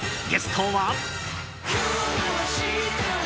ゲストは。